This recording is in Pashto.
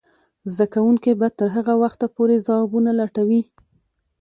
زده کوونکې به تر هغه وخته پورې ځوابونه لټوي.